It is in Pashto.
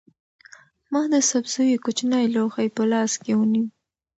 ما د سبزیو کوچنی لوښی په لاس کې ونیو.